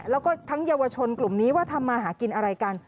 แล้วก็ทั้งเยาวชนกลุ่มนี้ว่าทำมาหากินอะไรกัน